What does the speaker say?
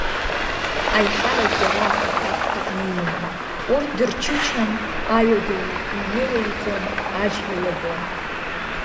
Аиҳарак иара аҳәақәа хҭакны иман, урҭ дырчычан, аҩада иҩылеиҵон, аџьра иабон.